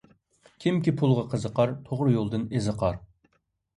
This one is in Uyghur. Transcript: كىمكى پۇلغا قىزىقار، توغرا يولدىن ئېزىقار.